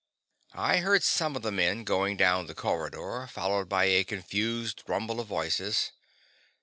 I heard some of the men going down the corridor, followed by a confused rumble of voices.